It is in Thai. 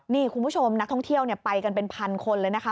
นี่คุณผู้ชมนักท่องเที่ยวไปกันเป็นพันคนเลยนะคะ